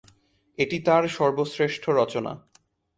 এটি তার সর্বশ্রেষ্ঠ রচনা।